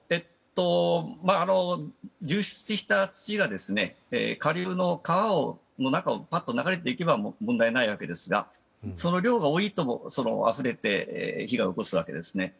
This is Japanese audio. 流出した土が下流の川の中を流れていけば問題ないわけですがその量が多いと、あふれて被害を起こすわけですね。